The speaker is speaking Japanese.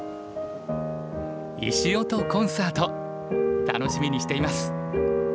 石音コンサート楽しみにしています。